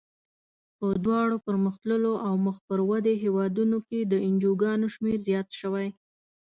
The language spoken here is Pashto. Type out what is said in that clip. په دواړو پرمختللو او مخ پر ودې هېوادونو کې د انجوګانو شمیر زیات شوی.